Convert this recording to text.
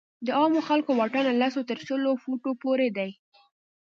د عامو خلکو واټن له لسو تر شلو فوټو پورې دی.